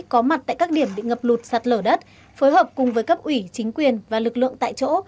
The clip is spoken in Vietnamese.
có mặt tại các điểm bị ngập lụt sạt lở đất phối hợp cùng với cấp ủy chính quyền và lực lượng tại chỗ